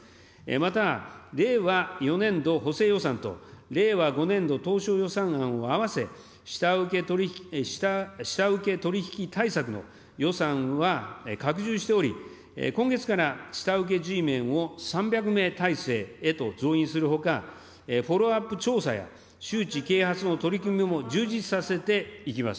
また、令和４年度補正予算と令和５年度当初予算案を合わせ、下請け取り引き対策の予算は拡充しており、今月から下請けＧメンを３００名態勢へと増員するほか、フォローアップ調査や、周知啓発の取り組みも充実させていきます。